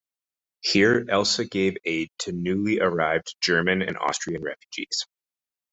Here Elsa gave aid to newly arrived German and Austrian refugees.